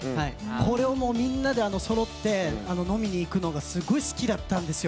これをみんなでそろって飲みに行くのがすごい好きだったんですよ。